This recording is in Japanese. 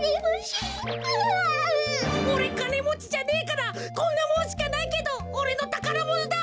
おれかねもちじゃねえからこんなもんしかないけどおれのたからものだ！